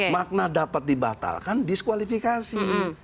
makna dapat dibatalkan diskualifikasi